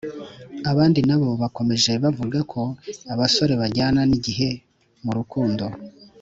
Abandi nabo bakomeje bavuga ko abasore bajyana n’igihe mu rukundo